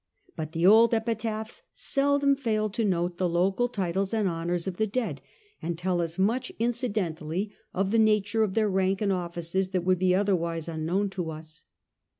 But the old epi taphs seldom fail to note the local titles and honours of the dead, and tell us much incidentally of the nature of their rank and offices that would be otherwise unknown to us.